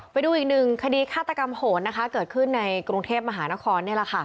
ไปดูอีกหนึ่งคดีฆาตกรรมโหลดเกิดขึ้นในกรุงเทพฯมหานคร